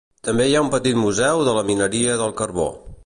També hi ha un petit museu de la mineria del carbó.